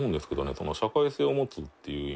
その社会性を持つっていう意味と。